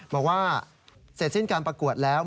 บอกว่าเสร็จสิ้นการประกวดแล้ว